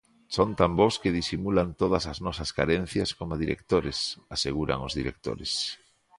"Son tan bos que disimulan todas a nosas carencias coma directores", aseguran os directores.